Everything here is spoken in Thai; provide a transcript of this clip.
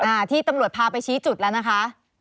อ่าที่ตำรวจพาไปชี้จุดแล้วนะคะ